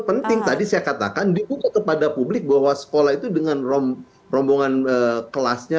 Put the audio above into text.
penting tadi saya katakan dibuka kepada publik bahwa sekolah itu dengan rombongan kelasnya